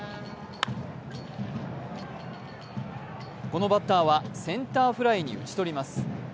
このバッターは、センターフライに打ち取ります。